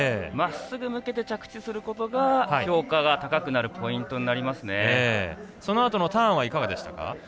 まっすぐ向けて着地することが評価が高くなるポイントにそのあとのターンはいかがでしたか？